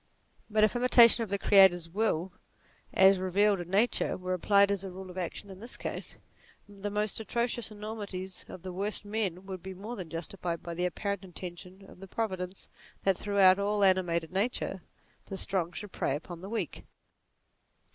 But if imitation of the Creator's will as re vealed in nature, were applied as a rule of action in NATURE 59 this case, the most atrocious enormities of the worst men would be more than justified by the apparent intention of Providence that throughout all animated nature the strong should prey upon the weak.